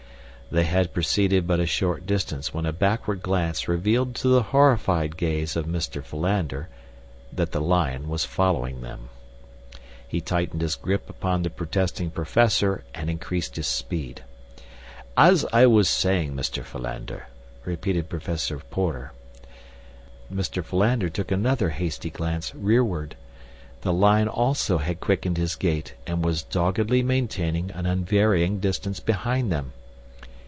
They had proceeded but a short distance when a backward glance revealed to the horrified gaze of Mr. Philander that the lion was following them. He tightened his grip upon the protesting professor and increased his speed. "As I was saying, Mr. Philander," repeated Professor Porter. Mr. Philander took another hasty glance rearward. The lion also had quickened his gait, and was doggedly maintaining an unvarying distance behind them.